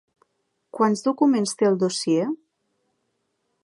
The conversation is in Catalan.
Quants documents té el dossier?